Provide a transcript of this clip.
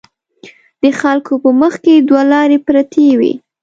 د خلکو په مخکې دوه لارې پرتې وي.